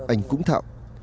anh cũng thạo